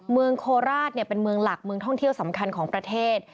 โคราชเป็นเมืองหลักเมืองท่องเที่ยวสำคัญของประเทศ